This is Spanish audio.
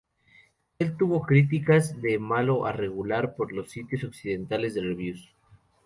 El juego tuvo críticas de malo a regular por los sitios occidentales de reviews.